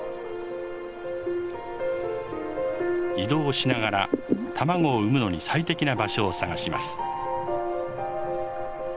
移動しながら卵を産むのに最適な場所を探します。